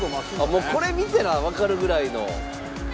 もうこれ見たらわかるぐらいの。